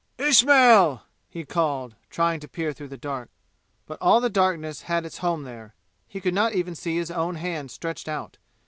"Ismail!" he called, trying to peer through the dark. But all the darkness had its home there. He could not even see his own hand stretched out.